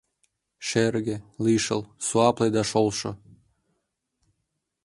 Шерге, лишыл, суапле да шолшо.